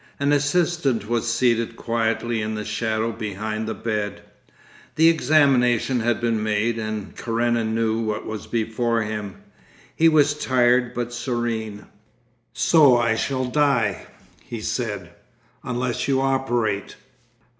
An assistant was seated quietly in the shadow behind the bed. The examination had been made, and Karenin knew what was before him. He was tired but serene. 'So I shall die,' he said, 'unless you operate?